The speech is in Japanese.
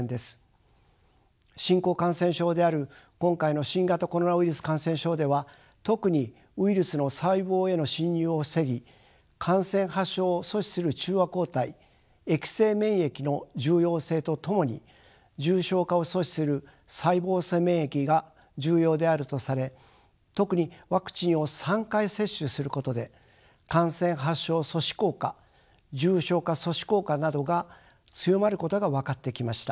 新興感染症である今回の新型コロナウイルス感染症では特にウイルスの細胞への侵入を防ぎ感染発症を阻止する中和抗体液性免疫の重要性とともに重症化を阻止する細胞性免疫が重要であるとされ特にワクチンを３回接種することで感染発症阻止効果重症化阻止効果などが強まることが分かってきました。